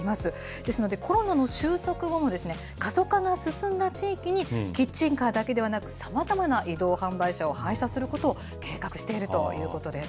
ですのでコロナの収束後も、過疎化が進んだ地域に、キッチンカーだけではなく、さまざまな移動販売車を配車することを計画しているということです。